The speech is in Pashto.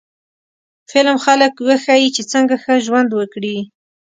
فلم خلک وښيي چې څنګه ښه ژوند وکړي